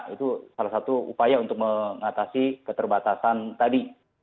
itu salah satu upaya untuk mengatasi keterbatasan tadi